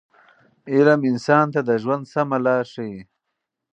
علم انسان ته د ژوند سمه لاره ښیي.